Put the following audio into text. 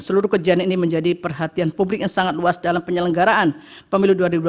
seluruh kejadian ini menjadi perhatian publik yang sangat luas dalam penyelenggaraan pemilu dua ribu dua puluh